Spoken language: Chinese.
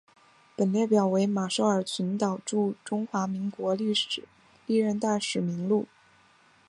本列表为马绍尔群岛驻中华民国历任大使名录。